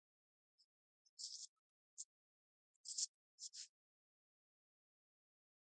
brigadier Khalid Sajjad Khokhar Pakistan hockey federation کے باقاعدہ صدر بن گئے